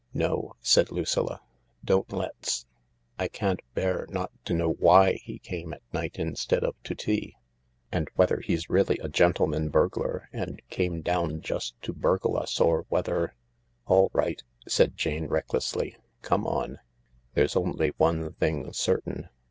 "No," said Lucilla, "don't let's. I can't bear not to know why he came at night instead of to tea, and whether he's really a gentleman burglar and came down just to burgle us, or whether ..." "All right," said Jane recklessly. "Come on. There s only one thing certain.